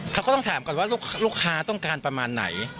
เขาก็ต้องถามก่อนว่าลูกค้าต้องการประมาณไหน